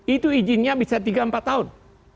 itu izinnya bisa tiga empat tahun